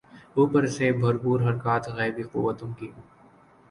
اوپر سے بھرپور حرکات غیبی قوتوں کی۔